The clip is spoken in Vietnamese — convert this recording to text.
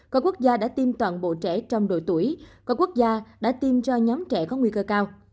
có quốc gia đã tiêm toàn bộ trẻ trong độ tuổi có quốc gia đã tiêm cho nhóm trẻ có nguy cơ cao